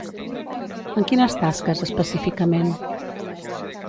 En quines tasques, específicament?